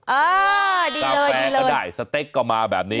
เออดีเลยสาวแฟกก็ได้สเต๊กก็มาแบบนี้